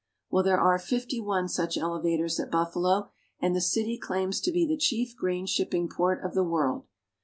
Well, there are fifty one such elevators at Buffalo, and the city claims to be the chief grain shipping port of the world.